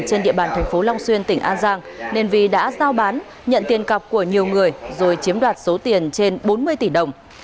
trên địa bàn thành phố long xuyên tỉnh an giang nên vi đã giao bán nhận tiền cọc của nhiều người rồi chiếm đoạt số tiền trên bốn mươi tỷ đồng